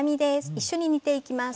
一緒に煮ていきます。